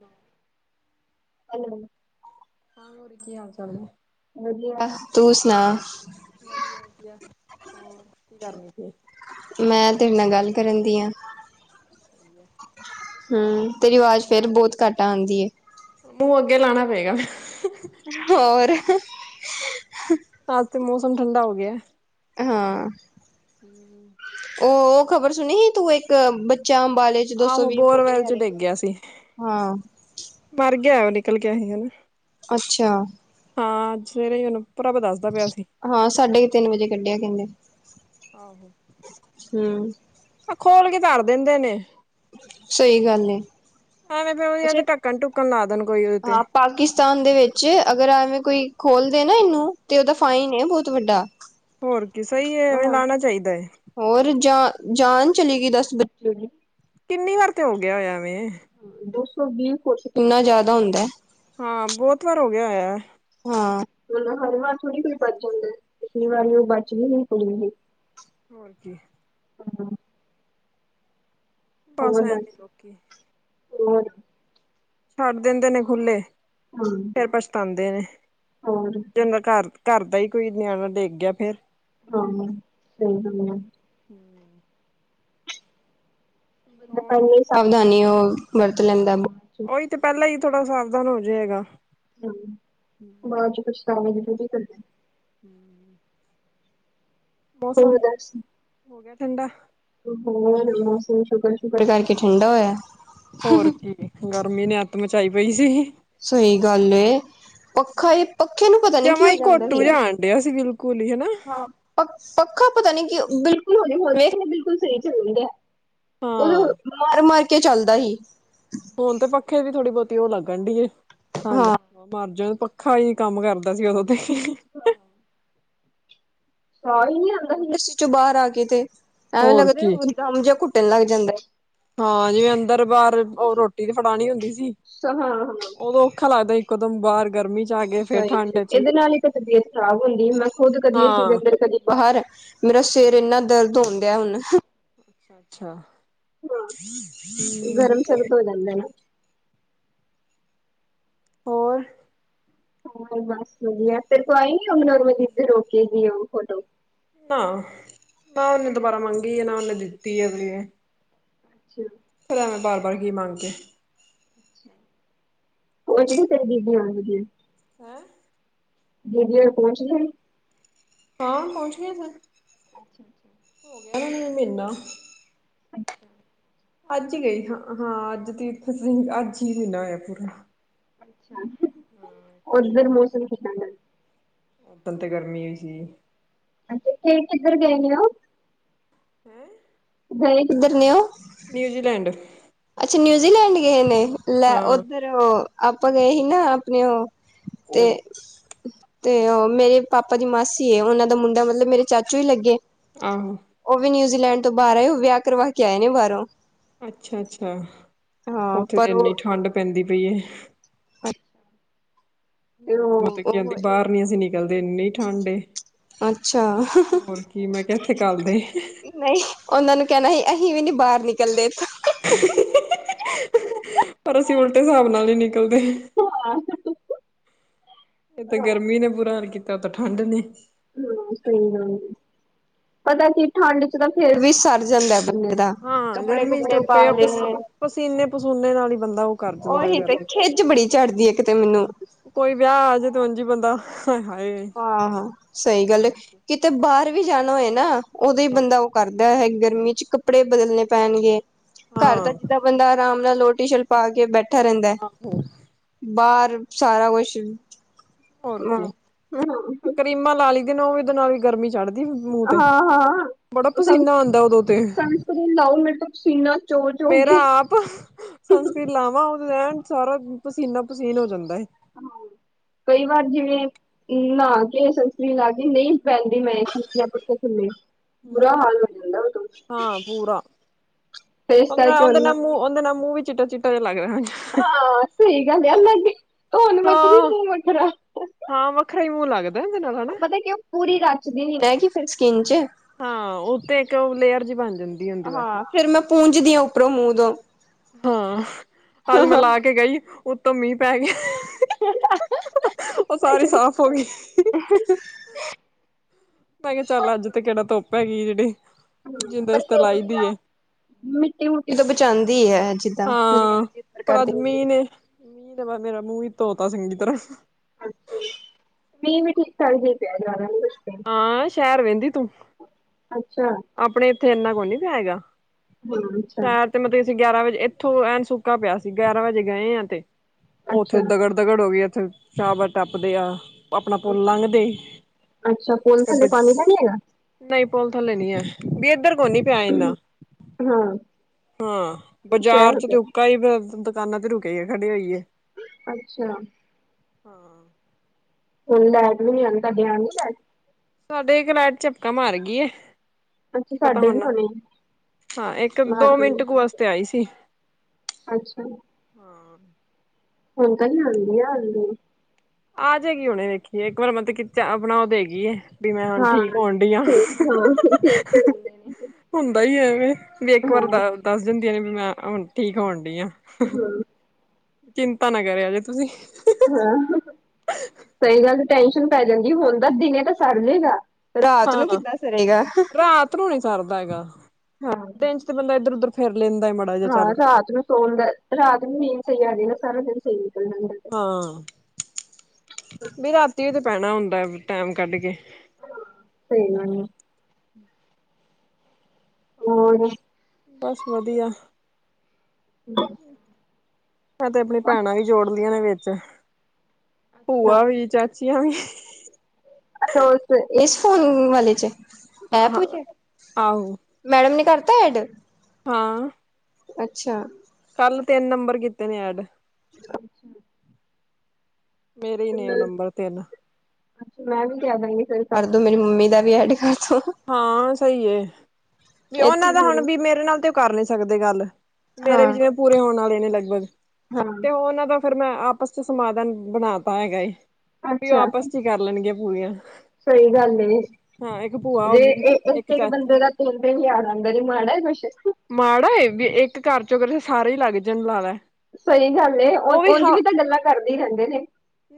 ਦੋ। [unintelligible] ਕਿ ਹਾਲ ਚਾਲ ਨੇ? ਵਧੀਆ, ਤੂੰ ਸੁਣਾ? ਵਧੀਆ-ਵਧੀਆ, ਹੋਰ ਕੀ ਕਰਨੀ ਪਈ ਏ। ਮੈਂ ਤੇਰੇ ਨਾਲ ਗੱਲ ਕਰਨ ਦੀ ਆ। ਸਹੀ ਅ। ਹੰ, ਤੇਰੀ ਅਵਾਜ਼ ਫ਼ੇਰ ਬਹੁਤ ਘਟ ਆਂਦੀ ਏ। ਓ ਅੱਗੇ ਲਾਉਣਾ ਪਏਗਾ ਹੋਰ ਅੱਜ ਤੇ ਮੌਸਮ ਠੰਡਾ ਹੋ ਗਿਆ। ਹੰ ਹੰ ਉਹ ਉਹ ਖ਼ਬਰ ਸੁਣੀ ਸੀ ਤੂੰ, ਇੱਕ ਬੱਚਾ ਅੰਬਾਲੇ ਚ ਦੋ ਸੌ ਆਹੋ, ਵੀਹ ਫੁੱਟ ਬੋਰਵੈਲ ਚ ਹਰੇ ਡਿੱਗ ਗਿਆ ਸੀ, ਹਾਂ ਮਰ ਗਿਆ ਉਹ ਨਿਕਲ ਗਿਆ ਹੈਗਾ ਨਾ। ਅੱਛਾ ਹਾਂ ਅੱਜ ਸਵੇਰੇ ਹੀ ਓਹਨੂੰ ਪ੍ਰਭ ਦਸਦਾ ਪਿਆ ਸੀ। ਹਾਂ ਸਾਢੇ ਤਿੰਨ ਵਜੇ ਕੱਢਿਆ ਕਹਿੰਦੇ। ਆੋ ਹਮ ਇਹ ਖੋਲ ਕੇ ਧਰ ਦਿੰਦੇ ਨੇ। ਸਹੀ ਗੱਲ ਏ ਐਵੇਂ ਫ਼ੇਰ ਓਹਿ ਹੈ ਅੱਛਾ ਕ ਢੱਕਣ ਢੁੱਕਣ ਲਾ ਦੇਣ ਕੋਈ ਉਹਦੇ ਤੇ। ਹਾਂ ਪਾਕਿਸਤਾਨ ਦੇ ਵਿੱਚ ਅਗਰ ਐਵੇਂ ਕੋਈ ਖੋਲਦੇ ਨਾ ਇਹਨੂੰ ਤੇ ਉਹਦਾ ਹਾਂ। ਫਾਈਨ ਏ ਬਹੁਤ ਵੱਡਾ। ਹੋਰ ਕੀ ਸਹੀ ਹੈ ਐਵੇਂ ਲਾਣਾ ਚਾਹੀਦਾ ਹੈ ਹੋਰ ਜਾ ਜਾਨ ਚਲੀ ਗਈ ਦਸ ਬੱਚੇ ਦੀ। ਕਿੰਨੀ ਵਾਰ ਤੇ ਹੋ ਗਿਆ ਹੋਇਆ ਵੇ। ਦੋ ਸੌ ਵੀਹ ਫੁੱਟ ਕਿੰਨਾ ਜ਼ਿਆਦਾ ਹੁੰਦਾ? ਹਾਂ ਬਹੁਤ ਵਾਰ ਹੋ ਗਿਆ ਹੋਇਆ ਹਾਂ ਮਤਲਬ ਹਰ ਵਾਰ ਥੋੜੀ ਕੋਈ ਬਚ ਜਾਂਦੈ, ਪਿਛਲੀ ਵਾਰ ਵਿ ਉਹ ਹੂੰ। ਬਚ [unintelligible] ਹੋਰ ਕੀ। ਹੰ ਬਸ ਹੋਰ ਐਵੇਂ ਦੱਸ? ਲੋਕੀ ਛੱਡ ਦਿੰਦੇ ਨੇ ਖੁੱਲ੍ਹੇ। ਹੰ ਫਿਰ ਪਛਤਾਉਂਦੇ ਨੇ ਜਿਨਾ ਘਰ, ਘਰ ਦਾ ਹੀ ਕੋਈ ਨਿਆਣਾ ਡਿੱਗ ਗਿਆ ਫੇਰ। ਹੰ ਸਹੀ ਗੱਲ ਇਹ। ਹੰ ਬੰਦਾ ਹੋਰ ਪਹਿਲੇ ਸਾਵਧਾਨੀ ਉਹ ਵਰਤ ਲੈਂਦਾ ਬ ਉਹੀ ਤੇ ਪਹਿਲਾਂ ਹੀ ਥੋੜਾ ਸਾਵਧਾਨ ਹੋ ਜਾਏ ਹੈਗਾ ਹੂ ਬਾਅਦ ਚ ਪਛਤਾਵਾ ਵੀ ਕਰਦੇ ਹੂ ਹੋਰ ਮੌਸਮ ਦੱਸ। ਹੋ ਗਿਆ ਠੰਡਾ ਮੌਸਮ ਸ਼ੁਕਰ ਸ਼ੁਕਰ ਕਰਕੇ ਠੰਡਾ ਹੋਇਆ ਹੋਰ ਕੀ ਗਰਮੀ ਨੇ ਅੱਤ ਮਚਾਈ ਪਈ ਸੀ ਸਹੀ ਗੱਲ ਪੱਖਾ ਪੱਖੇ ਨੂੰ ਪਤਾ ਨੀ ਕੀ ਜਮਾ ਹੋ ਹੀ ਜਾਂਦਾ ਸੀ ਘੋਟੂ ਜਾਣ ਡਿਆ ਸੀ ਬਿਲਕੁਲ ਹੀ ਹਨਾ ਹਾਂ ਪੱਖਾ ਪਤਾ ਨੀ ਬਿਲਕੁਲ ਹ ਹ ਵੇਖ ਬਿਲਕੁਲ ਸਹੀ ਚ ਰਦੇ ਉਹਦ ਹਾਂ ਮਾਰ ਮਰ ਕੇ ਚੱਲਦਾ ਸੀ ਹੁਣ ਤੇ ਪੱਖੇ ਵੀ ਥੋੜੀ ਬਹੁਤੀ ਉਹ ਲੱਗਣ ਏ ਠੰਡ ਹਾਂ। ਮਰਜਾਣਾ ਪੱਖਾ ਹੀ ਨੀ ਕੰਮ ਕਰਦਾ ਸੀ ਓਦੋਂ ਤੇ [unintelligible] ਸਾਹ ਹੀ ਨੀ ਆਉਂਦਾ। ਇੰਡਸਟਰੀ ਚੋਂ ਬਾਹਰ ਆ ਕੇ ਤੇ ਐਵੇਂ ਹੋਰ ਲੱਗਦਾ, ਕੀ ਦਮ ਜਿਹਾ ਘੁੱਟਣ ਲੱਗ ਜਾਂਦਾ। ਹਾਂ, ਜਿਵੇਂ ਅੰਦਰ-ਬਾਹਰ ਉਹ ਰੋਟੀ ਤੇ ਫੜਾਉਣੀ ਹੁੰਦੀ ਸੀ। ਸ਼ਾ ਹਨਾ ਉਦੋਂ ਔਖਾ ਲੱਗਦਾ ਇੱਕਦਮ ਬਾਹਰ ਗਰਮੀ ਚ ਆ ਗਏ ਫੇਰ ਠੰਡ ਚ ਇਹਦੇ ਨਾਲ ਇੱਕ ਤਾਂ ਤਬੀਅਤ ਖਰਾਬ ਹੁੰਦੀ ਮੈਂ ਖੁਦ ਕਦੀ ਅਂ ਦੇ ਹਾਂ। ਅੰਦਰ ਕਦੀ ਬਾਹਰ ਮੇਰਾ ਸਿਰ ਇੰਨਾ ਦਰਦ ਹੁਣ ਅੱਛਾ ਹਾਂ ਹੂੰ ਗਰਮ ਸ਼ਰਤ ਹੋ ਜਾਂਦਾ ਨਾ ਹੋਰ ਹਾਂ ਬਸ ਵਧੀਆ ਤੇ ਕੋ ਆਈ ਨੀ ਉਹ ਨਰਮ ਜਿੱਤੋ ਰੋਕੇਗੀ ਦੀ ਫੋਟੋ ਹਾਂ ਨਾ ਉਹਨੇ ਦੁਬਾਰਾ ਮੰਗੀ ਨਾ ਉਹਨੇ ਦਿੱਤੀ ਹੈ ਵੀ ਅੱਛਾ ਫਿਰ ਐਵੇਂ ਵਾਰ ਵਾਰ ਕੀ ਮੰਗ ਕੇ ਉਹਜੜ ਤਰ ਦੀਬ ਆਣਗੇ ਹੈ ਦੀਦੀ ਪਹੁੰਚ ਗਏ ਹਾਂ ਪਹੁੰਚ ਗ ਸੀ ਅੱਛਾ ਅੱਛਾ ਕਹਿ ਮਹੀਨਾ ਅੱਛਾ ਅੱਜ ਹੀ ਗਈ ਹਾਂ ਹਾਂ ਅੱਜ ਤੀਰਥ ਸਿੰਘ ਅੱਜ ਹੀ ਮਹੀਨਾ ਹੋਇਆ ਪੂਰਾ ਅੱਛਾ ਹਾਂ ਇੱਕ ਉਧਰ ਮੌਸਮ ਕਿਦਾਂ ਦਾ ਉਦਨ ਤੇ ਗਰਮੀ ਹੋਈ ਸੀ ਹਾਂਜੀ ਫ ਕਿੱਧਰ ਗਏ ਨੇ ਹੋ ਹੈ ਹ ਕਿਧਰ ਨੇ ਉਹ ਨਿਊਜ਼ੀਲੈਂਡ ਅੱਛਾ ਨਿਊਜ਼ੀਲੈਂਡ ਗਏ ਨੇ ਲੈ ਹਾਂ ਉੱਧਰ ਆਪਾਂ ਗਏ ਸੀ ਨਾ ਆਪਣੇ ਉਹ ਤੇ ਤੇ ਉਹ ਮੇਰੇ ਪਾਪਾ ਦੀ ਮਾਸੀ ਹੈ ਉਹਨਾਂ ਦਾ ਮੁੰਡਾ ਮਤਲਬ ਮੇਰੇ ਚਾਚੂ ਹੀ ਲੱਗੇ ਆਹੋ ਉਹ ਵੀ ਨਿਊਜ਼ੀਲੈਂਡ ਤੋਂ ਬਾਹਰ ਆਏ ਉਹ ਵਿਆਹ ਕਰਵਾ ਕੇ ਆਏ ਨੇ ਬਾਹਰੋਂ ਅੱਛਾ ਅੱਛਾ ਹਾਂ ਉੱਥੇ ਤੇ ਪਰ ਇੰਨੀ ਠੰਡ ਪੈਂਦੀ ਪਈ ਅੱਛਾ ਉਹ ਮਤਲਬ ਕੀ ਕਿੰਦੀ ਬਾਹਰ ਨੀ ਅਸੀਂ ਨਿਕਲਦੇ ਇੰਨੀ ਠੰਡ ਏ ਅੱਛਾ, ਹੋਰ ਕੀ ਮੈਂ ਕਿਹਾ ਇੱਥੇ ਕੱਲਦੇ ਨਹੀਂ, ਉਹਨਾਂ ਨੂੰ ਕਹਿਣਾ ਸੀ ਅਸੀਂ ਵੀ ਨੀ ਬਾਹਰ ਨਿਕਲਦੇ ਇਥੋਂ। [inaudible] ਪਰ ਅਸੀਂ ਉਲਟੇ ਸਾਬ ਨਾਲ ਨੀ ਨਿਕਲਦੇ। [inaudible] ਇੱਕ ਤਾਂ ਗਰਮੀ ਨੇ ਬੁਰਾ ਹਾਲ ਕੀਤਾ ਉਤੋਂ ਠੰਢ ਨੇ। ਹਾਂ ਸਹੀ ਗੱਲ ਆ ਪਤਾ ਕੀ ਠੰਡ 'ਚ ਤਾਂ ਫੇਰ ਵੀ ਸਰ ਜਾਂਦਾ ਬੰਦੇ ਦਾ। ਹਾਂ ਕੱਪੜੇ ਗਰਮੀ ਚ ਕੁਪੜੇ ਤਾਂ ਪਾ ਕਈ ਆਪਸ ਲਏ। ਪਸੀਨੇ ਪਸੂਨੇ ਨਾਲ ਹੀ ਬੰਦਾ ਉਹ ਕਰ ਦਿੰਦਾ ਹੈ ਓਹੀ ਤੇ ਗਰਮੀ ਖਿੱਝ ਬੜੀ ਚੜਦੀ ਐ ਇੱਕ ਤੇ ਮੈਨੂੰ ਕੋਈ ਵਿਆਹ ਆਜੇ ਤਾਂ ਉੰਝ ਬੰਦਾ ਆਏ ਹਾਏ। ਹਾਂ-ਹਾਂ ਸਹੀ ਗੱਲ ਕਿਤੇ ਬਾਹਰ ਵੀ ਜਾਣਾ ਹੋਏ ਨਾ ਉਦੋਂ ਹੀ ਹਾਂ ਬੰਦਾ ਕਰਦਾ ਗਰਮੀ 'ਚ ਕੱਪੜੇ ਬਦਲਣੇ ਪੈਣਗੇ ਘਰ ਤਾਂ ਹਾਂ ਜਿੱਦਾਂ ਬੰਦਾ ਆਰਾਮ ਨਾਲ ਲੋਹਰ ਟੀ ਸ਼ਰਟ ਪਾ ਕੇ ਬੈਠਾ ਰਹਿੰਦਾ। ਆਹੋ ਬਾਹਰ ਸਾਰਾ ਕੁਛ ਹੋਰ ਹਾਂ ਕੀ ਹਾਂ। ਕਰੀਮਾਂ ਲਾ ਲਈ ਦੇ ਨੇ ਉਹ ਵੀ ਉਹਦੇ ਨਾਲ ਵੀ ਗਰਮੀ ਚੜ੍ਹਦੀ ਮੂੰਹ ਤੇ ਹਾਂ ਬੜਾ ਸਨ ਪਸੀਨਾ ਆਂਦਾ ਉਦੋਂ ਤੇ [unintelligible] ਮੇਰਾ ਕੇ ਆਪ ਸੰਸਕ੍ਰਿਨ ਲਾਵਾਂ ਉਹ ਰਹਿਣ ਸਾਰਾ ਪਸੀਨੋ ਪਸੀਨ ਹੋ ਜਾਂਦਾ ਹੈ। ਹਾਂ ਕਈ ਵਾਰ ਜਿਵੇਂ ਨਾ ਕੇ ਸਨ ਸਕਰੀਨ ਲਾ ਕੇ ਨਹੀਂ ਬਹਿੰਦੀ ਮੈਂ [unintelligible] ਪੱਖੇ ਥੱਲੇ ਬੁਰਾ ਹੂੰ। ਹਾਲ ਹੋ ਜਾਂਦਾ ਹੁਣ ਤਾਂ ਹਾਂ ਪੂਰਾ ਤੇ ਇਸ ਉਹਦੇ ਨਾਲ ਕਰਕੇ ਉਹਦੇ ਨਾਲ ਮੂੰਹ ਉਹਦੇ ਨਾਲ ਮੂੰਹ ਵੀ ਚਿੱਟਾ -ਚਿੱਟਾ ਜਾ ਲੱਗਦਾ। ਹਾਂ ਸਹੀ ਗੱਲ ਆ ਮੈਂ ਧੋਣ ਵੱਖਰੀ ਹਾਂ। ਮੂੰਹ ਵੱਖਰਾ ਹਾਂ ਵੱਖਰਾ ਈ ਮੂੰਹ ਲੱਗਦਾ। ਇਹਦੇ ਨਾਲ ਉਹ ਹਨਾ ਪਤਾ ਕਿ ਉਹ ਪੂਰੀ ਰਚਦੀ ਨੀ ਨਾ ਫਿਰ ਸਕਿੰਨ 'ਚ ਹਾਂ ਉਹ ਤੇ ਇੱਕ ਲੇਅਰ ਜੀ ਬਣ ਜਾਂਦੀ ਹੁੰਦੀ। ਬਸ ਹਾਂ ਫੇਰ ਮੈਂ ਪੂੰਜਦੀ ਆ ਉੱਪਰੋਂ ਮੂੰਹ ਦੋ ਹਾਂ ਅੱਜ ਮੈਂ ਲਾ ਕੇ ਗਈ ਉਤੋਂ ਮੀਂਹ ਪੈ ਗਿਆ। ਉਹ ਸਾਰੀ ਸਾਫ ਹੋ ਗਈ। [inaudible] ਮੈਂ ਕਿਹਾ ਚੱਲ ਅੱਜ ਤੇ ਕਿਹੜਾ ਧੁੱਪ ਹੈਗੀ ਜਿਹੜੀ ਜਿੰਦੇ ਪਰ ਆਸਤੇ ਫੇਰ ਲਾਈ ਵੀ ਦੀ ਆ ਐ। ਮਿੱਟੀ ਮੁਟੀ ਤੋਂ ਬਚਾਂਦੀ ਆ ਜਿੱਦਾਂ ਹਾਂ [unintelligible] ਪਰ ਪ੍ਰਕਾਰ ਅੱਜ ਮੀਂਹ ਨੇ ਮੀਂਹ ਤੇ ਮ ਮੇਰਾ ਮੂੰਹ ਹੀ ਧੋਤਾ ਚੰਗੀ ਤਰ੍ਹਾਂ ਅੱਛਾ ਮੀਂਹ ਵੀ ਠੀਕ ਠਾਕ ਈ ਪਿਆ ਜਿਆਦਾ ਨਹੀਂ ਕੁਛ ਪਿਆ। ਹਾਂ ਸ਼ਹਿਰ ਵਹਿੰਦੀ ਤੂੰ ਅੱਛਾ ਆਪਣੇ ਇੱਥੇ ਇੰਨਾ ਕੌਈ ਨੀ ਪਿਆ ਹੈਗਾ। ਹਾਂ ਅੱਛਾ ਸ਼ਹਿਰ ਤੇ ਮਤਲਬ ਅਸੀਂ ਗਿਆਰਾਂ ਵਜੇ ਇੱਥੋਂ ਐਨ ਸੁੱਕਾ ਪਿਆ ਸੀ ਗਿਆਰਾਂ ਵਜੇ ਗਏ ਆ ਤੇ ਉੱਥੇ ਅੱਛਾ ਦਗੜ ਦਗੜ ਹੋ ਗਈ ਉੱਥੇ [unintelligible] ਟੱਪਦੇ ਆ। ਆਪਣਾ ਪੁਲ ਲੰਘ ਦੇ ਅੱਛਾ ਪੁਲ ਤੇ ਥੱਲੇ ਪਾਣੀ ਤਾਂ ਨੀ ਹੈਗਾ ਨਹੀਂ ਪੁਲ ਥੱਲੇ ਨੀ ਐ ਮੀਂਹ ਇੱਧਰ ਕੋ ਨੀ ਪਿਆ ਐਨਾ। ਹਾਂ ਹਾਂ ਬਾਜ਼ਾਰ 'ਚ ਤੇ ਉੱਕਾ ਦੁਕਾਨਾਂ ਤੇ ਰੁਕੇ ਆ ਖੜੇ ਹੋਈਏ। ਅੱਛਾ ਹਾਂ, [unintelligible] ਸਾਡੇ ਇੱਕ ਲੈਟ ਝਪਕਾ ਮਾਰ ਗਈ ਐ। ਅੱਛਾ ਕੀ ਪਤਾ ਸਾਡੇ ਵੀ ਹੁਣ ਆਉਣੀ ਹਾਂ ਇੱਕ ਦੋ ਮਿੰਟ ਕੁ ਵਾਸਤੇ ਆਈ ਸੀ। ਅੱਛਾ ਹਾਂ ਹੁਣ ਤਾਂ ਨੀ ਆਂਦੀ ਹਲੇ ਆ ਜਾਏਗੀ ਹੁਣੇ ਇੱਕ ਵਾਰ ਮਤਲਬ ਆਪਣਾ ਓ ਦੇਗੀ ਐ। ਵੀ ਮੈਂ ਹੁਣ ਹਾਂ ਠੀਕ ਹੋਣ ਡੀਆਂ। ਠੀਕ ਹਾਂ ਠੀਕ [inaudible] ਤਾਂ ਰਹਿੰਦੇ ਨੇ [inaudible] ਹੁੰਦਾ ਹੀ ਐਵੇਂ ਵੀ ਇੱਕ ਵਾਰ ਹਾਂ ਦੱ ਦੱਸ ਦਿੰਦੀਆਂ ਨੇ ਵੀ। ਮੈਂ ਹੁਣ ਠੀਕ ਹੋਣ ਡਈ ਆਂ। ਹਾਂ। ਚਿੰਤਾ ਨਾ ਕਰਿਆ ਜੇ ਤੁਸੀਂ। ਹਾਂ ਸਹੀ ਗੱਲ ਤੇ ਟੈਸ਼ਨ ਪੈ ਜਾਂਦੀ। ਹੁਣ ਤਾਂ ਦਿਨ ਤਾਂ ਸਰ ਲਗਾ। ਹਾਂ ਰਾਤ ਨੂੰ ਨੀ ਸਰਦਾ ਹੈਗਾ। ਦਿਨ ਚ ਤੇ ਬੰਦਾ ਇੱਧਰ ਉਧਰ। ਫੇਰ ਲੈਂਦਾ ਮ। ਹਾਂ ਰਾਤ ਨੂੰ ਸੋਡ। ਰਾਤ ਨੂੰ ਮੀਨ ਸਦੇ ਸਾਰ ਸੇ। ਹਾਂ ਵੀ ਰਾਤੀ ਤੇ ਪੈਣਾ ਹੁੰਦਾ। ਟੈਮ ਕੱਢ ਕੇ। ਸਹੀ ਗੱਲ ਐ। ਹੋਰ, ਬਸ ਵਧੀਆ। ਹੂੰ ਮੈਂ ਤੇ ਆਪਣੀ ਭੈਣਾਂ ਵੀ ਜੋੜਲੀਆਂ ਨੇ। ਵਿੱਚ ਅੱਛਾ ਭੂਆ ਵੀ, ਚਾਚੀਆਂ ਵੀ। ਅੱਛਾ ਉਸ ਇਸ ਫੋਨ ਵਾਲੇ 'ਚ ਹਾਂ ਐਪੇ ਐ। ਆਹੋ ਮੈਡਮ ਨ ਕਰਤਾ ਐਡ। ਹਾਂ। ਅੱਛਾ। ਕੱਲ ਤਿੰਨ ਨੰਬਰ ਕੀਤੇ ਨੇ ਐਡ। [unintelligible] ਮੇਰੇ ਹੀ ਨੇ ਨੰਬਰ ਤਿੰਨ। ਅੱਛਾ ਮੈਂ ਵੀ ਕਹਿ ਦਾਂਗੀ। ਫਿਰ ਕਰਦੋ ਮੇਰੀ ਮੰਮੀ ਦਾ ਵੀ ਐਡ ਕਰਦੋ। ਹਾਂ ਸਹੀਏ। ਵੀ ਉਹਨਾਂ ਇੱਥੇ ਦਾ ਹੁਣ ਪੂਰੇ ਵੀ ਮੇਰੇ ਨਾਲ ਤੇ ਉਹ ਕਰ ਨੀ ਸਕਦੇ ਗੱਲ। ਮੇਰੇ ਹਾਂ ਵੀ ਜਿਵੇਂ ਪੂਰੇ ਹੋਣ ਵਾਲੇ ਨੇ। ਲਗਭਗ ਹਾਂ ਤੇ ਉਹਨਾਂ ਦਾ। ਫੇਿਰ ਮੈਂ ਆਪਸ ਚ ਸਮਾਧਾਨ ਬਣਾ ਤਾ ਹੈਗਾ। ਏ ਵੀ ਉਹ ਅੱਛਾ ਆਪਸ ਚ ਹੀ ਕਰ ਲੈਣਗੀਆਂ ਪੂਰੀਆਂ। ਸਹੀ ਗੱਲਏ ਹਾਂ ਇੱਕ ਭੂਆ ਹੋ ਜੇ ਗਈ ਇੱਕ ਇੱਕ ਬੰਦੇ ਚਾਚੀ ਦਾ। ਤਿੰਨ ਤਿੰਨ ਹਜਾਰ ਆਂਦਾ ਏ ਮਾੜਾ ਏ ਕੁੱਛ ਮਾੜਾ ਏ ਜੇ ਇੱਕ ਘਰ ਚੋਂ ਕਰ। ਸਾਰੇਾ ਹੀ ਲੱਗ ਜਾਣ ਲਾ। ਸਹੀ ਗੱਲ ਏ। ਉਹ ਉਂਜ ਹਾਂ ਵੀ ਤਾਂ ਗੱਲਾਂ ਕਰਦੇ ਹੀ ਰਹਿੰਦੇ ਨੇ।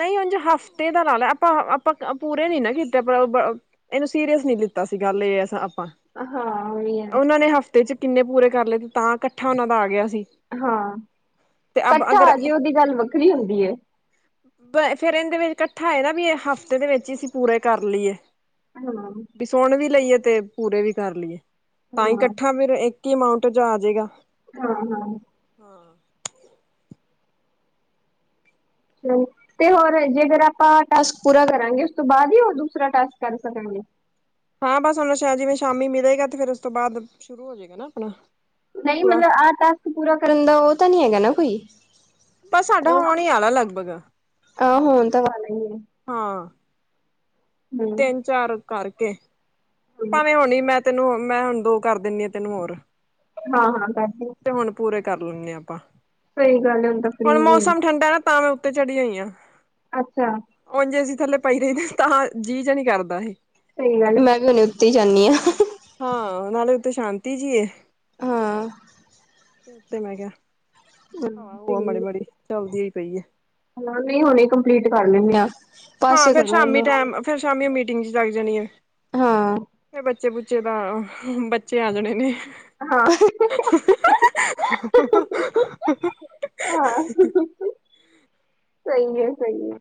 ਨਹੀਂ। ਉਝ ਹਫ਼ਤੇ ਦਾ ਲ ਲੈ। ਆਪਾਂ ਆਪਾਂ ਪੂਰੇ ਨਾ ਕੀਤੇ। ਇਹਨੂੰ ਸੀਰੀਅਸ ਨਹੀ ਲਿੱਤਾ ਸੀ। ਗੱਲ ਇਹ ਆਪਾਂ। ਹਾਂ ਓ ਹੀ ਏ। ਤੇ ਚ ਕਿੰਨੇ ਪੂਰੇ ਕਰ ਲਏ। ਤੇ ਤਾਂ ਇਕੱਠਾ ਉਹਨਾਂ ਦਾ ਆ ਗਿਆ ਸੀ। ਹਾਂ। ਤੇ ਅਬ ਇਕੱਠਾ ਆ। ਅਗਰ ਜੇ ਉਹਦੀ ਗੱਲ ਵੱਖਰੀ ਹੁੰਦੀ ਏ। ਫ਼ਿਰ ਇਹਦੇ ਇਕੱਠਾ ਏ ਨਾ। ਵੀ ਹਫ਼ਤੇ ਦੇ ਵਿੱਚ ਹੀ ਅਸੀਂ ਪੂਰੇ ਕਰ ਲਈਏ। ਹਾਂ। ਵੀ ਸੁਣ ਵੀ ਲਈਏ। ਤੇ ਪੂਰੇ ਵੀ ਕਰ ਲਈਏ। ਤਾਂ ਹੀ ਹਾਂ ਇਕੱਠਾ ਫਿਰ ਇੱਕ ਹੀ ਅਮਾਊਂਟ ਚ ਆ ਜਾਏਗਾ। ਹਾਂ ਹਾਂ ਹਾਂ। ਹੂੰ। ਤੇ ਹੋਰ ਜੇਕਰ ਆਪਾਂ ਟਾਸਕ ਪੂਰਾ ਕਰਾਂਗੇ। ਉਸ ਤੋਂ ਬਾਅਦ ਹੀ ਉਹ ਦੂਸਰਾ ਟਾਸਕ ਕਰ ਸਕਾਂਗੇ। ਹਾਂ। ਬਸ ਹਣ ਸ਼ਾਇ ਜਿਵੇਂ ਸ਼ਾਮੀ ਮਿਲੇਗਾ। ਤੇ ਫ਼ਿਰ ਉਸ ਤੋਂ ਬਾਅਦ ਸ਼ੁਰੂ ਹੋ ਜਾਏਗਾ ਨਾ ਆਪਣਾ। ਨਹੀਂ। ਪੂਰਾ ਮਤਲਬ ਆਹ ਟਾਸਕ ਪੂਰਾ ਕਰਨ ਦਾ ਉਹ ਤਾਂ ਨਹੀ। ਹੈਗਾ ਨਾ ਕੋਈ। ਪਰ ਸਾਡਾ ਉਹ ਆਣ ਈ ਆਾਲਾ ਲਗਭਗ। ਆਹ ਹਾਂ ਹੋਣ ਤਾਂ ਵਾਲਾ ਹੀ ਹੈ [unintelligible] ਤਿੰਨ ਹੂੰ-ਹੂੰ ਚਾਰ ਕਰਕੇ। ਭਾਵੇਂ ਹੁਣ ਨੀ ਮੈਂ ਤੈਨੂੰ ਮੈਂ ਹੁਣ ਦੋ ਕਰ ਦਿੰਨੀ ਆ ਤੈਨੂੰ ਹੋਰ। ਹਾਂ ਹਾਂ ਕਰਦੀ ਆ ਹੁਣ ਪੂਰੇ ਕਰ ਲੈਂਣੇ ਆ ਆਪਾਂ। ਸਹੀ ਗੱਲ ਆ ਉਦਾ ਫ੍ਰੀ ਹੁਣ ਵੀ ਮੌਸਮ ਠੰਡਾ ਆ ਤਾਂ ਮੈਂ ਉੱਤੇ ਚੜੀ ਹੋਈ ਆ। ਅੱਛਾ ਹੁਣ ਜੇ ਏ ਸੀ ਥੱਲੇ ਪਈ ਰਹਿਦਾ ਤਾਂ ਜੀਅ ਜ ਨੀ ਕਰਦਾ ਹੀ। ਸਹੀ ਗੱਲ ਆ ਮੈਂ ਵੀ ਹੁਣੇ ਉੱਤੇ ਈ ਜਾਂਣੀ ਆ। ਹਾਂ ਨਾਲੇ ਉੱਥੇ ਸ਼ਾਂਤੀ ਜੀ ਏ। ਹਾਂ ਤੇ ਮੈਂ ਕਿਹਾ ਹਾਂ ਉਹ ਮਾੜੀ ਹੂੰ ਮਾੜੀ ਚਲਦੀ ਇ ਉ ਪਈ ਏ। ਹਾ ਨਹੀਂ ਹੁਣੇ ਕੰਪਲੀਟ ਕਰ ਲੈਂਣੇ ਆ। ਹਾਂ ਪਾਸੇ ਫੇਰ ਕਰੋ ਸ਼ਾਮੀ ਇਹਨੂੰ ਟਾਈਮ ਫਿਰ ਸ਼ਾਮੀ ਮੀਟਿੰਗ ਚ ਲਗ ਜਾਣੀ ਆ ਹਾਂ। ਫਿਰ ਬ ਬੱਚੇ ਬੁੱਚੇ ਤਾਂ ਬੱਚੇ ਆ ਜਾਣੇ ਨੇ। ਹਾਂ। ਆਂ। ਸਹੀ ਹੈ। ਸਹੀ ਹੈ।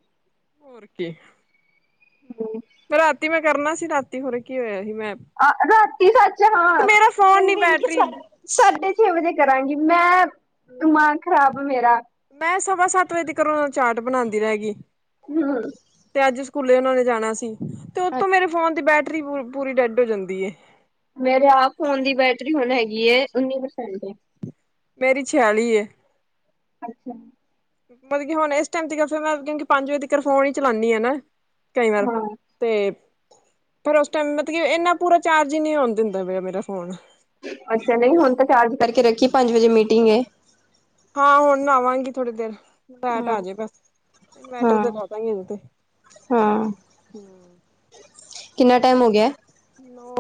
ਹੋਰ ਕੀ। ਹੂੰ। ਮ ਰਾਤੀ ਮੈਂ ਕਰਨਾ ਸੀ। ਰਾਤੀ ਹੋਰ ਕੀ ਹੋਇਆ ਸੀ। ਮੈਂ। ਆ। ਰਾਤੀ ਸੱਚ ਇੱਕ ਹਾਂ। ਮੇਰਾ ਫੋਨ ਨੀ ਕਹਿੰਦੀ ਕਿਸ ਬੈਟਰੀ ਕਰ। ਸਾਢੇ ਛੇ ਵਜੇ ਕਰਾਂਗੀ। ਮੈਂ ਦਿਮਾਗ ਖ਼ਰਾਬ ਮੇਰਾ। ਮੈਂ ਸਵਾ ਸੱਤ ਵਜੇ ਤੇ ਘਰੋਂ ਚਾਰਟ ਬਣਾਉਂਦੀ ਰਹਿ ਗਈ। ਹਮ। ਤੇ ਅੱਜ ਸਕੂਲੇ ਉਹਨਾ ਨੇ ਜਾਣਾ ਸੀ ਤੇ ਉਤੋਂ ਮੇਰੇ ਫੋਨ ਦੀ ਬੈਟਰੀ ਪੂ ਪੂਰੀ ਡੈਡ ਹੋ ਜਾਂਦੀ ਏ। ਮੇਰੇ ਆਪ ਫੋਨ ਦੀ ਬੈਟਰੀ ਹੁਣ ਹੈਗੀ ਏ ਉੱਨੀ ਪ੍ਰਸੈਂਟ। ਮੇਰੀ ਛਿਆਲੀ ਐ। ਅੱਛਾ ਮਤਲਬ ਕਿ ਹੁਣ ਇਸ ਟਮ ਤੇ ਕਿੳ ਫਿਰ ਮੈਂ ਕਿਉਂਕਿ ਪੰਜ ਵਜੇ ਤਿਕਰ ਫੋਨ ਹੀ ਚਲਾਉਣੀ ਆ ਨਾ ਕਈ ਵਾਰ। ਹਾਂ, ਤੇ ਫਿਰ ਉਸ ਟਾਈਮ ਮਤਲਬ ਕਿ ਇੰਨਾ ਪੂਰਾ ਚਾਰਜ ਈ ਨਹੀਂ ਹੋਣ ਦਿੰਦੇ ਪਏ ਮੇਰਾ ਫੋਨ। ਅੱਛਾ ਨਹੀਂ ਹੁਣ ਤਾਂ ਚਾਰਜ ਕਰਕੇ ਰੱਖੀ ਪੰਜ ਵਜੇ ਮੀਟਿੰਗ ਏ। ਹਾਂ ਹੁਣ ਨਾਵਾਂਗੀ ਥੋੜੀ ਦੇਰ ਲੈਟ ਹਾਂ, ਆ ਜੇ ਬਸ ਇਨਵਟਰ ਹਾਂ, ਤੇ ਲਾ ਦਾਂਗੇ ਹੁਣ ਤੇ। ਹਾਂ ਕਿੰਨਾ ਟਾਈਮ ਹੋ ਗਿਆ? ਨੌ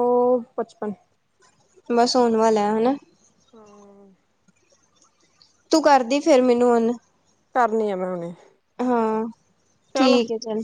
ਪਚਪਨ ਬਸ ਆਉਣ ਵਾਲਾ ਹਨਾ? ਹਾਂ ਤੂੰ ਕਰਦੀ ਫੇਰ ਮੈਨੂੰ ਹੁਣ। ਕਰਨੀ ਆ ਮੈਂ ਹੁਣੇ। ਹਾਂ ਠੀਕ ਏ ਚੱਲ